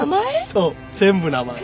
そう全部名前。